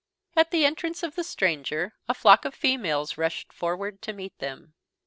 At the entrance of the stranger a flock of females rushed forward to meet them.